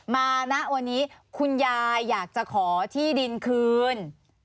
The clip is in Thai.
ณวันนี้คุณยายอยากจะขอที่ดินคืน